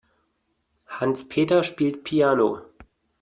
Hans-Peter spielt Piano.